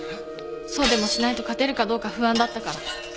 そうでもしないと勝てるかどうか不安だったから。